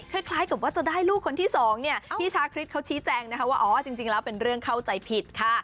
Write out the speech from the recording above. คล้ายกับว่าจะได้ลูกคนที่สองเนี่ยพี่ชาคริสเขาชี้แจงนะคะว่าอ๋อจริงแล้วเป็นเรื่องเข้าใจผิดค่ะ